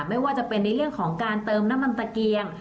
ไม่ว่าจะเป็นในเรื่องของการเติมน้ำมันตะเกียง